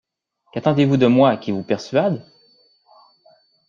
Qu'attendez-vous de moi qui vous persuade?